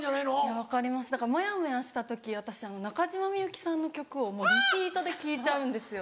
分かりますもやもやした時私中島みゆきさんの曲をもうリピートで聴いちゃうんですよ。